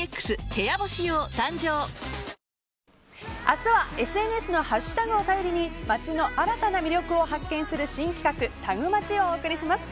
明日はＳＮＳのハッシュタグを頼りに街の新たな魅力を発見する新企画タグマチをお送りします。